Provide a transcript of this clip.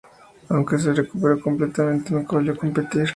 Aunque se recuperó completamente, nunca volvió a competir.